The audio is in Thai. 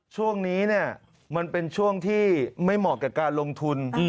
ช่วงนี้เนี่ยมันเป็นช่วงที่ไม่เหมาะกับการลงทุน